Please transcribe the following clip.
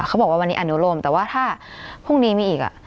เขาบอกว่าวันนี้อนุโลมแต่ว่าถ้าพรุ่งนี้มีอีก